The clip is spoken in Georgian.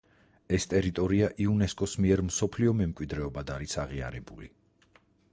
ეს ტერიტორია იუნესკოს მიერ მსოფლიო მემკვიდრეობად არის აღიარებული.